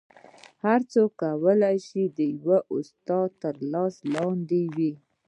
هر څوک کولی شي د یو استاد تر لاس لاندې وي